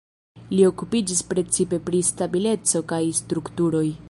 Li okupiĝis precipe pri stabileco kaj strukturoj.